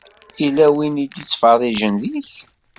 Yella win i d-ittfeṛṛiǧen deg-k.